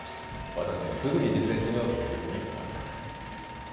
私もすぐに実践してみようというふうに思います。